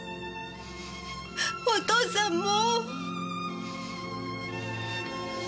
お父さんもう。